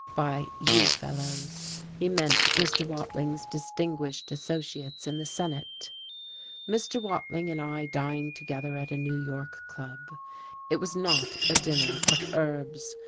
By "you fellows," he meant Mr. Watling's distinguished associates in the Senate.... Mr. Watling and I dined together at a New York club. It was not a dinner of herbs.